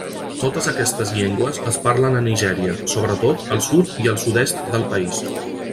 Totes aquestes llengües es parlen a Nigèria, sobretot al sud i al sud-est del país.